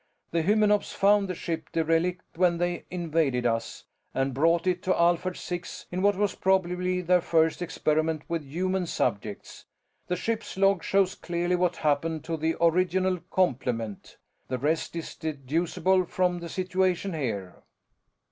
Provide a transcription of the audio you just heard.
The Hymenops found the ship derelict when they invaded us, and brought it to Alphard Six in what was probably their first experiment with human subjects. The ship's log shows clearly what happened to the original complement. The rest is deducible from the situation here."